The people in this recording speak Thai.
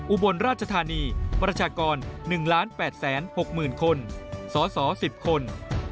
อุบลราชธานีประชากร๑๘๖๐๐๐คนสส๑๐คน